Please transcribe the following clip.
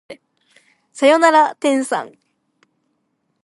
さよなら天さん